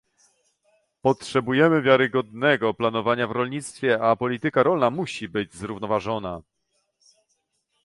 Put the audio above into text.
Potrzebujemy wiarygodnego planowania w rolnictwie, a polityka rolna musi być zrównoważona